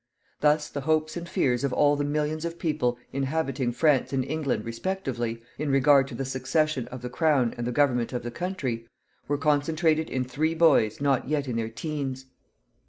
Thus the hopes and fears of all the millions of people inhabiting France and England respectively, in regard to the succession of the crown and the government of the country, were concentrated in three boys not yet in their teens.